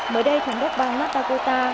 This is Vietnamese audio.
mới đây thống đốc bang mata kota